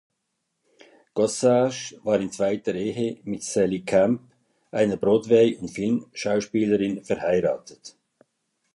Gossage war in zweiter Ehe mit Sally Kemp, einer Broadway- und Filmschauspielerin, verheiratet.